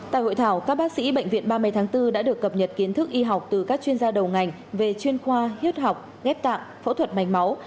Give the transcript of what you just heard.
tại hội thảo các bác sĩ bệnh viện ba mươi tháng bốn đã được cập nhật kiến thức y học từ các chuyên gia đầu ngành về chuyên khoa huyết học ghép tạng phẫu thuật mạch máu